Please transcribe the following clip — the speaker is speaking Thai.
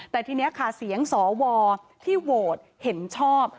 แต่ทีนี้ค่ะเสียงสวที่โหวตเห็นชอบ